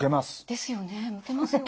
ですよねむけますよね。